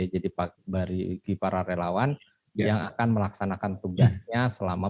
jadi bagi para relawan yang akan melaksanakan tugasnya selama